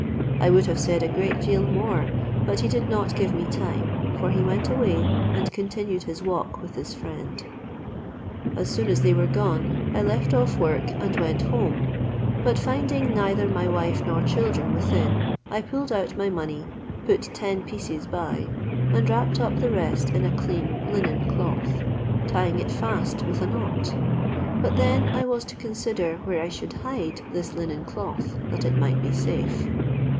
I would have said a great deal more, but he did not give me time, for he went away, and continued his walk with his friend. As soon as they were gone, I left off work, and went home, but finding neither my wife nor children within, I pulled out my money, put ten pieces by, and wrapped up the rest in a clean linen cloth, tying it fast with a knot; but then I was to consider where I should hide this linen cloth that it might be safe.